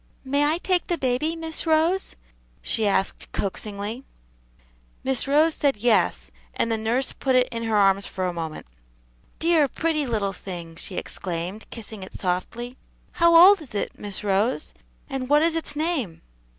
"May I take the baby, Miss Rose?" she asked coaxingly. Miss Rose said "Yes," and the nurse put it in her arms for a moment. "Dear, pretty little thing!" she exclaimed, kissing it softly. "How old is it, Miss Rose? and what is its name?"